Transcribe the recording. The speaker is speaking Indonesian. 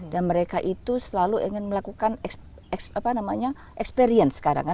dan mereka itu selalu ingin melakukan experience sekarang